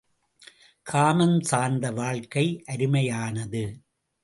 காமம் சார்ந்த வாழ்க்கை அருமையானது!